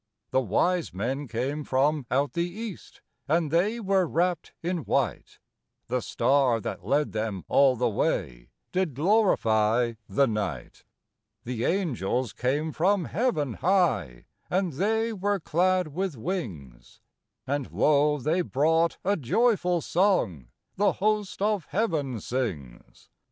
The wise men came from out the east, And they were wrapped in white; The star that led them all the way Did glorify the night. The angels came from heaven high, And they were clad with wings; And lo, they brought a joyful song The host of heaven sings.